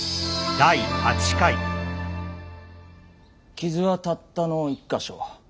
傷はたったの１か所。